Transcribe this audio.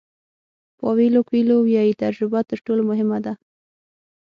پاویلو کویلو وایي تجربه تر ټولو مهمه ده.